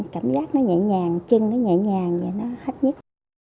cảm giác nó nhẹ nhàng chân nó nhẹ nhàng nó hát nhất